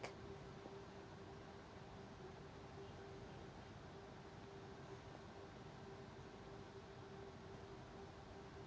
mas duki baidlawi